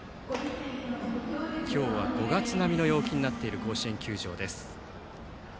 今日は５月並みの陽気になっている甲子園球場です。